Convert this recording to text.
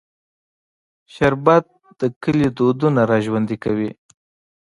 شربت د کلي دودونه راژوندي کوي